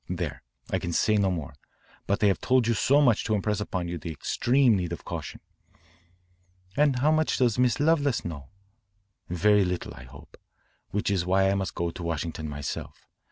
There, I can say no more. But I have told you so much to impress upon you the extreme need of caution." "And how much does Miss Lovelace know?" "Very little I hope. That is why I must go to Washington myself.